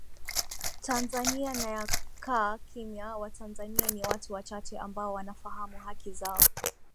tanzania na ya kukaa kimya watanzania ni watu wachache ambao wanafahamu haki zao